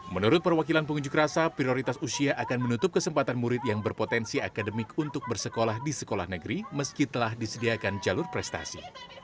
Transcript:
menurut perwakilan pengunjuk rasa prioritas usia akan menutup kesempatan murid yang berpotensi akademik untuk bersekolah di sekolah negeri meski telah disediakan jalur prestasi